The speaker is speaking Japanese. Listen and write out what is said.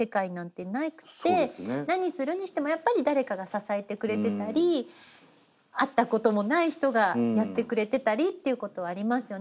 何するにしてもやっぱり誰かが支えてくれてたり会ったこともない人がやってくれてたりっていうことはありますよね。